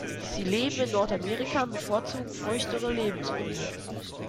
Sie leben in Nordamerika und bevorzugen feuchtere Lebensräume.